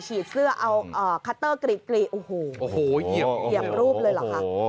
ฉีดเสื้อเอาคัตเตอร์กรีดโอ้โหเหยียบรูปเลยเหรอคะ